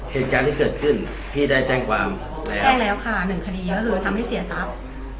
เหตุการณ์ที่เกิดขึ้นพี่ได้แจ้งความแล้วแจ้งแล้วค่ะหนึ่งคดีก็คือทำให้เสียทรัพย์